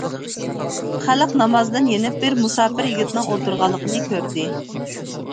خەلق نامازدىن يېنىپ، بىر مۇساپىر يىگىتنىڭ ئولتۇرغانلىقىنى كۆردى.